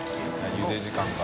△ゆで時間が。